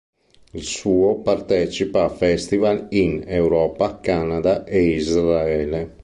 Il suo partecipa a festival in Europa, Canada e Israele.